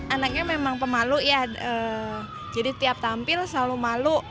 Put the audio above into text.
anaknya memang pemalu ya jadi tiap tampil selalu malu